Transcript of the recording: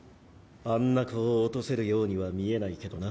あんな子を落とせるようには見えないけどな。